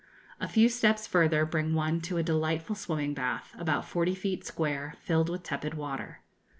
A few steps further bring one to a delightful swimming bath, about forty feet square, filled with tepid water.